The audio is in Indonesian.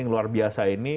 yang luar biasa ini